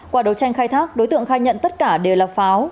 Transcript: qua đấu tranh khai thác đối tượng khai nhận tất cả đều là pháo